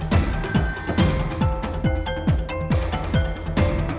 hadap apa kabarnya untuk calon sensei dong